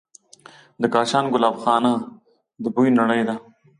د کاشان ګلابخانه د بوی نړۍ ده.